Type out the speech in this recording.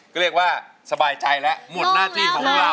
ก็เรียกว่าสบายใจแล้วหมดหน้าที่ของเรา